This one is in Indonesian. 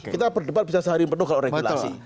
kita berdebat bisa sehari hari penuh kalau regulasi